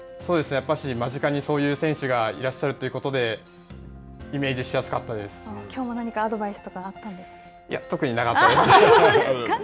やっぱり間近にそういう選手がいらっしゃるということで、きょうも何かアドバイスとかあいや、特になかったです。